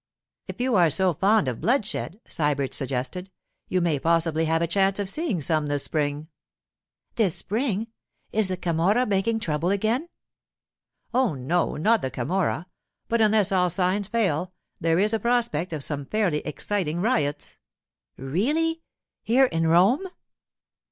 'If you are so fond of bloodshed,' Sybert suggested, 'you may possibly have a chance of seeing some this spring.' 'This spring? Is the Camorra making trouble again?' 'Oh, no; not the Camorra. But unless all signs fail, there is a prospect of some fairly exciting riots.' 'Really? Here in Rome?